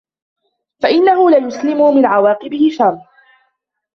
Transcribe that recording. فَإِنَّهُ لَا يُسْلَمُ مِنْ عَوَاقِبِ شَرِّهِ